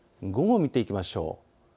午後、見ていきましょう。